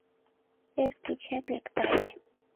Эр кечет лектале -